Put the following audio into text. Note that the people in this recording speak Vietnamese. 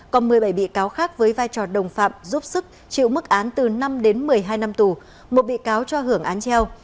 còn một mươi bảy bị cáo khác với vai trò đồng phạm giúp sức chịu mức án từ năm đến một mươi hai năm tù một bị cáo cho hưởng án treo